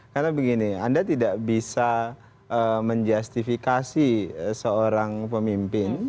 karena begini anda tidak bisa menjustifikasi seorang pemimpin